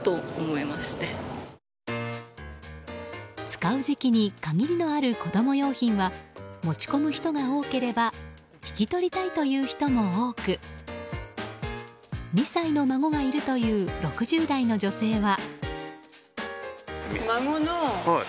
使う時期に限りのある子供用品は持ち込む人が多ければ引き取りたいという人も多く２歳の孫がいるという６０代の女性は。